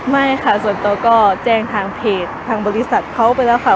ไม่ค่ะส่วนตัวก็แจ้งทางเพจทางบริษัทเขาไปแล้วค่ะ